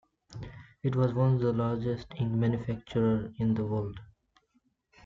It was once the largest ink manufacturer in the world.